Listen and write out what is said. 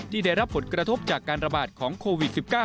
ได้รับผลกระทบจากการระบาดของโควิด๑๙